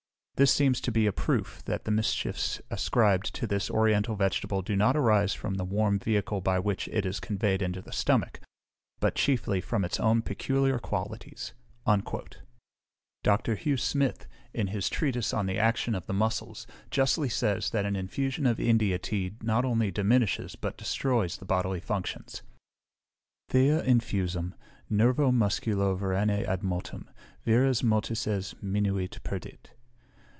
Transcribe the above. This seems to be a proof that the mischiefs ascribed to this oriental vegetable do not arise from the warm vehicle by which it is conveyed into the stomach, but chiefly from its own peculiar qualities." Dr. Hugh Smith, in his Treatise on the Action of the Muscles, justly says, that an infusion of India tea not only diminishes, but destroys the bodily functions. _Thea infusum, nervo musculove ranæ admotum, vires motices minuit perdit.